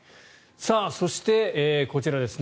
そしてこちらです。